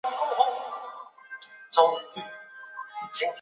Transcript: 襄城城墙为河南省境内保存最完整的县城城墙。